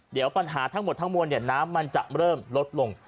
เดี๋ยวปัญหาทั้งหมดทั้งมวลน้ำมันจะเริ่มลดลง